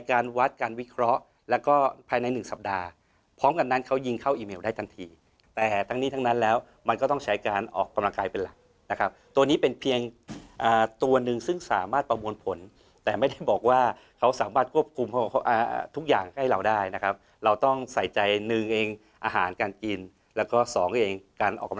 การวัดการวิเคราะห์แล้วก็ภายในหนึ่งสัปดาห์พร้อมกันนั้นเขายิงเข้าอีเมลได้ทันทีแต่ทั้งนี้ทั้งนั้นแล้วมันก็ต้องใช้การออกกำลังกายเป็นหลักนะครับตัวนี้เป็นเพียงตัวหนึ่งซึ่งสามารถประมวลผลแต่ไม่ได้บอกว่าเขาสามารถควบคุมทุกอย่างให้เราได้นะครับเราต้องใส่ใจหนึ่งเองอาหารการกินแล้วก็สองเองการออกกำลัง